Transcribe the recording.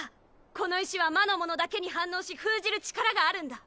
この石は魔の者だけに反応し封じる力があるんだ。